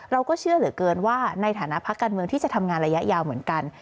เราก็เชื่อเหลือเกินว่าในฐานะพักการเมืองที่จะทำงานระยะยาวเหมือนกัน